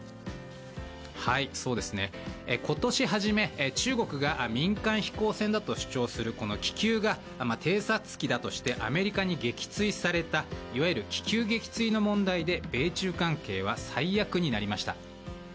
今年初め、中国が民間飛行船だと主張する気球が、偵察機だとしてアメリカに撃墜されたいわゆる気球撃墜の問題で米中関係は最悪になりました。